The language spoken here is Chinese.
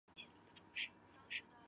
至五代时迁居蒙城。